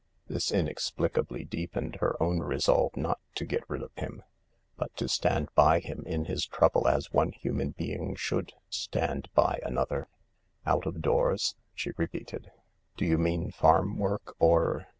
This inexplicably deepened her own resolve not to get rid of him, but to stand by him in his trouble as one human being should stand by another, " Out of doors ?" she repeated. " Do you mean farm work or